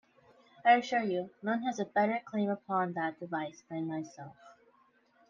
I assure you, none has a better claim upon that device than myself.